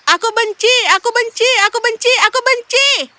aku benci aku benci aku benci aku benci